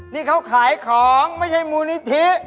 นี่เขาขายของไม่ใช่มูลนิธิ